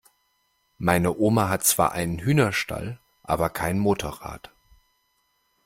Meine Oma hat zwar einen Hühnerstall, aber kein Motorrad.